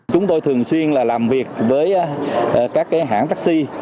chúng tôi thường xuyên là làm việc với các hãng taxi